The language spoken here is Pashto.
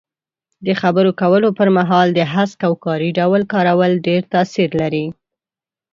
د خبرو کولو پر مهال د هسک او کاري ډول کارول ډېر تاثیر لري.